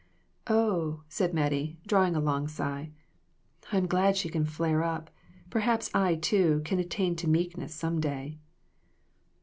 "Oh!" Mattie said, drawing a long sigh, "I'm glad she could flare up. Perhaps I, too, can attain to meekness some day."